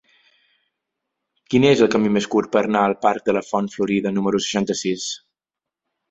Quin és el camí més curt per anar al parc de la Font Florida número seixanta-sis?